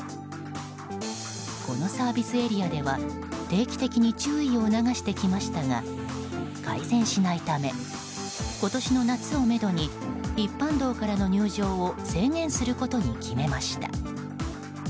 このサービスエリアでは定期的に注意を促してきましたが改善しないため今年の夏をめどに一般道からの入場を制限することに決めました。